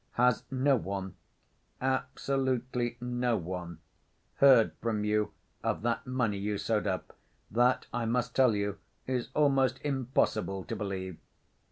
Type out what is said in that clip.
Has no one, absolutely no one, heard from you of that money you sewed up? That, I must tell you, is almost impossible to believe."